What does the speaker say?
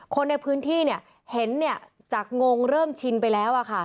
คนในพื้นที่เนี่ยเห็นจากงงเริ่มชินไปแล้วอะค่ะ